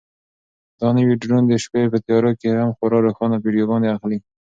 دا نوی ډرون د شپې په تیاره کې هم خورا روښانه ویډیوګانې اخلي.